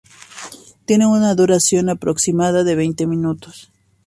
Tiene una duración aproximada de veinte minutos.